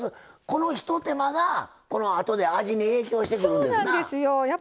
このひと手間が、このあとで味に影響してくるんですな。